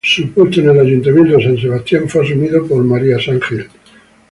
Su puesto en el ayuntamiento de San Sebastián fue asumido por María San Gil.